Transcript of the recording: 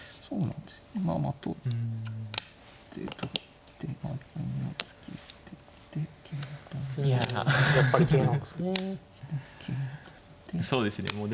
そうですね